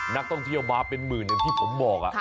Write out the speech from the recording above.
นักท่องเที่ยวมาเป็นหมื่นอย่างที่ผมบอก